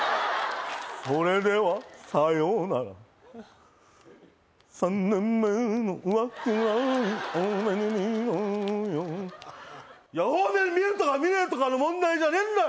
それではさようなら３年目の浮気ぐらい大目にみろよ大目に見るとか見ねえとかの問題じゃねえんだよ！